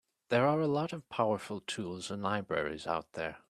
There are a lot of powerful tools and libraries out there.